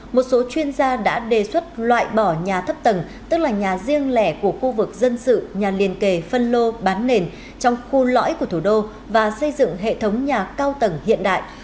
một số chuyên gia đã đề xuất loại bỏ nhà thấp tầng tức là nhà riêng lẻ của khu vực dân sự nhà liền kề phân lô bán nền trong khu lõi của thủ đô và xây dựng hệ thống nhà cao tầng hiện đại